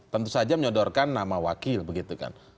tentu saja menyodorkan nama wakil begitu kan